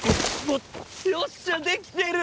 よっしゃできてる！